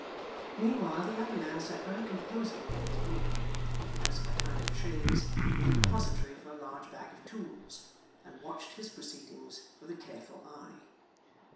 Meanwhile, the other man sat very composedly in his vehicle, which was a kind of chaise with a depository for a large bag of tools, and watched his proceedings with a careful eye.